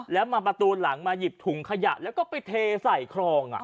แล้วมาประตูหลังมาหยิบถุงขยะแล้วก็ไปเทใส่ครอง